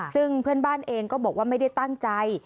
ซึ่งเพื่อนบ้านเองก็บอกว่าไม่ได้ตั้งใจ